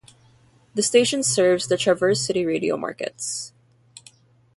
The station serves the Traverse City radio markets.